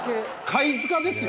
貝塚ですよ。